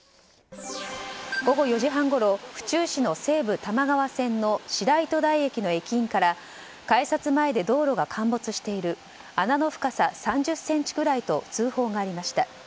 午後４時半ごろ、府中市の西武多摩川線の白糸台駅の駅員から改札前で道路が陥没している穴の深さ３０ｃｍくらいと通報がありました。